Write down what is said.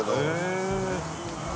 へえ。